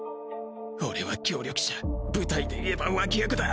俺は協力者舞台でいえば脇役だ。